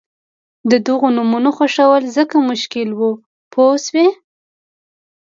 د دغو نومونو خوښول ځکه مشکل وو پوه شوې!.